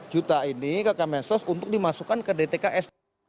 juta ini ke kemensos untuk dimasukkan ke dtks